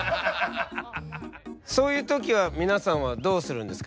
そういう時は皆さんはどうするんですか？